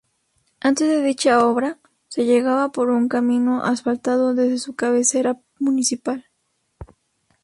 Antes de dicha obra, se llegaba por un camino asfaltado desde su cabecera municipal.